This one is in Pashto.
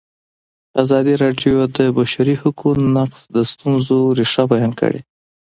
ازادي راډیو د د بشري حقونو نقض د ستونزو رېښه بیان کړې.